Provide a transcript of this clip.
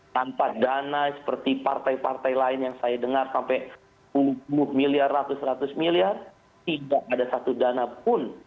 tanpa dana seperti partai partai lain yang saya dengar sampai puluh miliar ratus ratus miliar tidak ada satu dana pun